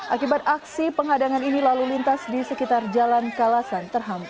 akibat aksi pengadangan ini lalu lintas di sekitar jalan kalasan terhampar